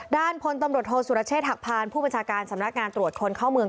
ด้านพลตำรวจโทษสุรเชษฐหักพานผู้บัญชาการสำนักงานตรวจคนเข้าเมือง